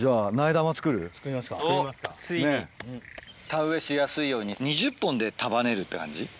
田植えしやすいように２０本で束ねるって感じ。